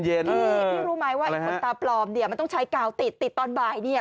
นี่พี่รู้ไหมว่าไอ้ขนตาปลอมเนี่ยมันต้องใช้กาวติดติดตอนบ่ายเนี่ย